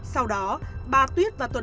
sau đó bà tuyết và tuyết